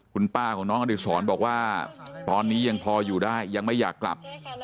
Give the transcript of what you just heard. คุณป้าของน้องอดิษรบอกว่าตอนนี้ยังพออยู่ได้ยังไม่อยากกลับ